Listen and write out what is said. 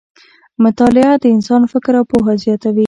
مطالعه د انسان فکر او پوهه زیاتوي.